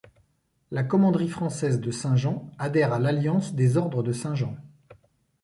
La commanderie française de Saint-Jean adhère à l'Alliance des ordres de Saint-Jean.